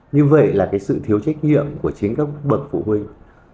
như vậy là sự thiếu trách nhiệm của chính các bậc phụ huynh